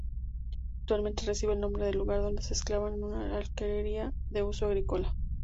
Actualmente recibe el nombre del lugar donde se enclava, una alquería de uso agrícola.